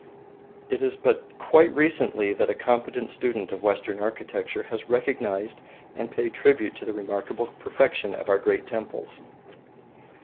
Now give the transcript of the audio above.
It is but quite recently that a competent student of Western architecture has recognised and paid tribute to the remarkable perfection of our great temples.